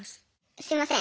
すいません